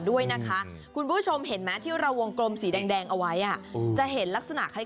ด้วยนะคะคุณผู้ชมเห็นไหมที่เราวงกลมสีแดงเอาไว้จะเห็นลักษณะคล้าย